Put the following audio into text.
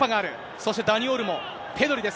そしてダニ・オルモ、ペドリです。